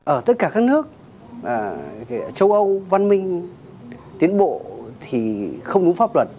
ở tất cả các nước châu âu văn minh tiến bộ thì không đúng pháp luật